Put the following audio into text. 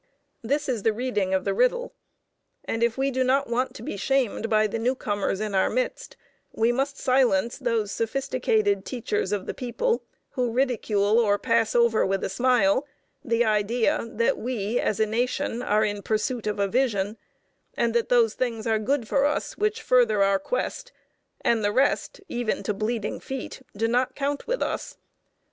That is the reading of the riddle, and if we do not want to be shamed by the newcomers in our midst, we must silence those sophisticated teachers of the people who ridicule or pass over with a smile the idea that we, as a nation, are in pursuit of a Vision, and that those things are good for us which further our quest, and the rest even to bleeding feet do not count with us.